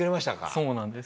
そうなんです。